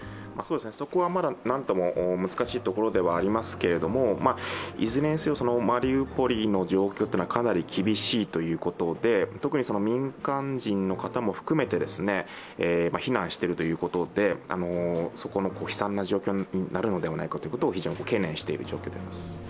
そこはまだ何とも難しいところではありますが、いずれにせよマリウポリの状況はかなり厳しいということで特に民間人の方も含めて、避難しているということでそこが悲惨な状況になるのではないかと非常に懸念している状況です。